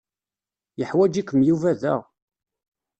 Yeḥwaǧ-ikem Yuba da.